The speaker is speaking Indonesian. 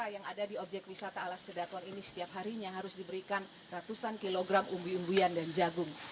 yang ada di objek wisata alas kedaton ini setiap harinya harus diberikan ratusan kilogram umbi umbian dan jagung